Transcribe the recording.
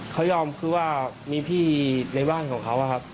เขายอมคือว่ามีพี่ในบ้านของเขาครับ